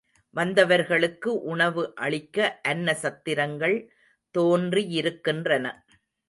வந்தவர்களுக்கு உணவு அளிக்க அன்ன சத்திரங்கள் தோன்றியிருக்கின்றன.